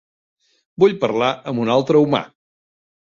Vull parlar amb un altre humà.